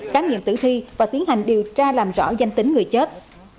khám nghiệm tử thi và tiến hành điều tra làm rõ danh tính người chết